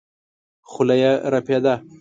خوله يې رپېده.